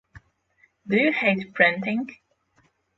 Do you hate printing?